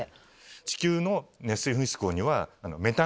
地球の熱水噴出孔には。